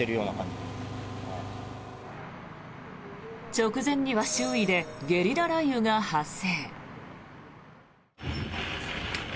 直前には周囲でゲリラ雷雨が発生。